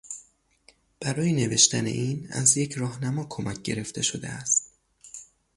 برای نوشتن این از یک راهنما کمک گرفته شده است.